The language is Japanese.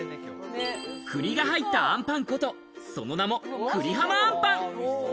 栗が入ったあんぱんこと、その名も、久里浜あんぱん。